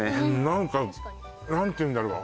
何か何ていうんだろう